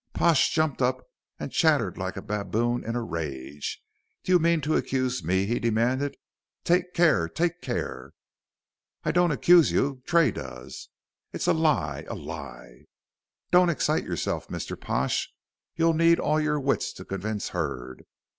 Pash jumped up and chattered like a baboon in a rage. "Do you mean to accuse me?" he demanded. "Take care take care." "I don't accuse you. Tray does." "It's a lie a lie " "Don't excite yourself, Mr. Pash. You'll need all your wits to convince Hurd.